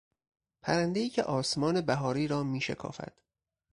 پرندهای که آسمان بهاری را میشکافد